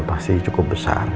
jadi cukup besar